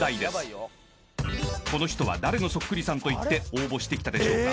［この人は誰のそっくりさんといって応募してきたでしょうか？